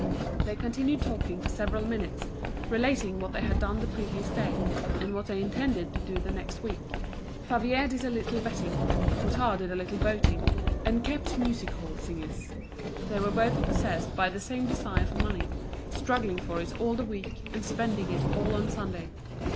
They continued talking for several minutes, relating what they had done the previous day, and what they intended to do the next week. Favier did a little betting, Hutin did a little boating, and kept music hall singers. But they were both possessed by the same desire for money, struggling for it all the week, and spending it all on Sunday.